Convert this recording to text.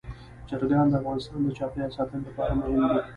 چرګان د افغانستان د چاپیریال ساتنې لپاره مهم دي.